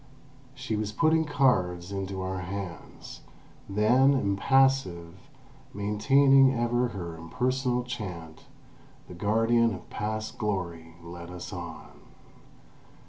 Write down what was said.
She was putting cards into our hands; then, impassive, maintaining ever her impersonal chant, the guardian of past glory led us on.